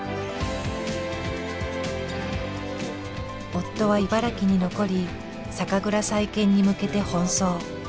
夫は茨城に残り酒蔵再建に向けて奔走。